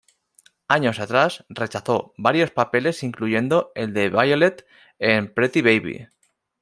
Años atrás, rechazó varios papeles incluyendo el de Violet en "Pretty Baby".